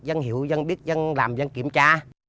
dân hiểu dân biết dân làm dân kiểm tra